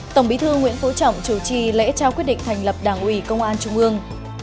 tổng bí thư nguyễn phú trọng chủ trì lễ trao quyết định thành lập đảng ủy công an trung ương